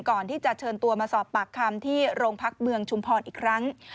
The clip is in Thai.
ก่อนที่จะเชิญตัวมาสอบปากคำที่โรงพักเมืองชุมพรอีกครั้ง